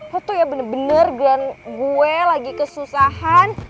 lo tuh ya bener bener gue lagi kesusahan